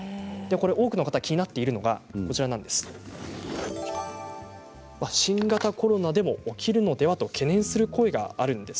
多くの方、気になっているのが新型コロナでも起きるのでは？と懸念する声があるんです。